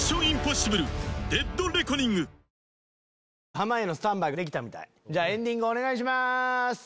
濱家のスタンバイができたみたいエンディングお願いします。